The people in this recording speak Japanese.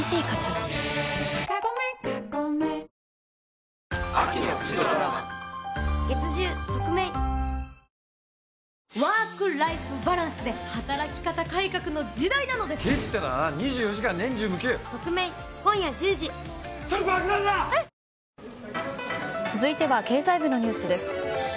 大空あおげ続いては経済部のニュースです。